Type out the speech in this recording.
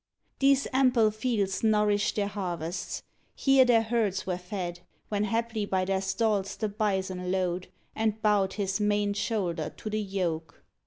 These ample fields Nourished their harvests, here their herds were fed, When haply by their stalls the bison lowed, And bowed his maned shoulder to the yoke.